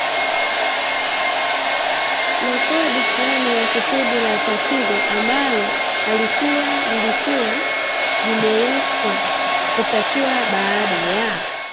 rekodi fulani ya kusudi na tatizo ambalo alikuwa amewekewa kutatua? baada ya